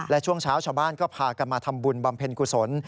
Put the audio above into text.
และช่วงเช้าชาวบ้านก็พากันมาทำบุญบำเพ็ญกุศล